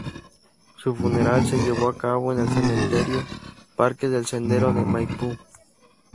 Su funeral se llevó a cabo en el cementerio Parque del Sendero de Maipú.